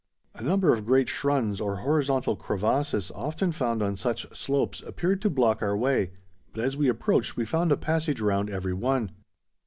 A number of great schrunds or horizontal crevasses often found on such slopes appeared to block our way, but as we approached we found a passage round every one.